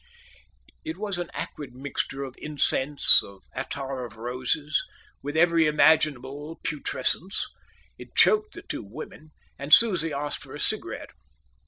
It was an acrid mixture of incense, of attar of roses, with every imaginable putrescence. It choked the two women, and Susie asked for a cigarette.